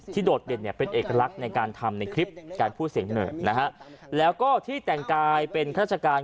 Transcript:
ที่โดดเด่นเป็นเอกลักษณ์ในการทำในคลิปการพูดเสียงเนอแล้วก็ที่แต่งกายเป็นธรรมชาการ